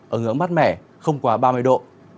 ở ngưỡng mắt mẻ không quá ba mươi độ